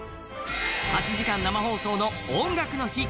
８時間生放送の「音楽の日」